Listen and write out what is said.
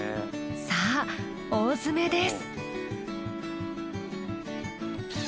さぁ大詰めです！